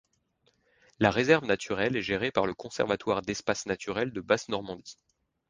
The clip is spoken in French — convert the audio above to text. La réserve naturelle est gérée par le Conservatoire d'espaces naturels de Basse Normandie.